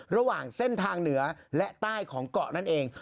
ระหว่างเส้นทางเหนือและใต้ของเกาะนั่นเอง